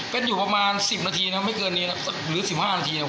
เป็นอยู่ประมาณสิบนาทีนะครับไม่เกินนี้นะครับสักหลือสิบห้านาทีนะครับ